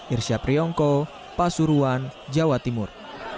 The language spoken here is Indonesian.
irsyap riongko pasuruan jawa timur